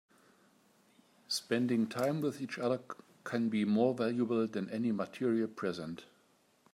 Spending time with each other can be more valuable than any material present.